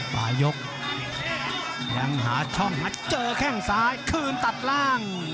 ปลายยกแห่งหาช่องเจอแค่งซ้ายคืนตัดล่าง